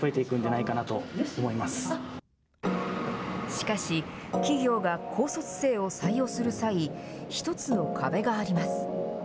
しかし、企業が高卒生を採用する際、一つの壁があります。